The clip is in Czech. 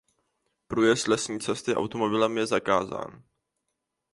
Průjezd lesní cesty automobilem je zakázán.